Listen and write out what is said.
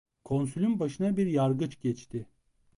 Konsülün başına bir yargıç geçti.